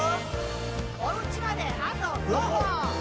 「おうちまであと５歩！」